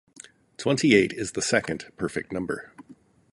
Twenty-eight is the second perfect number.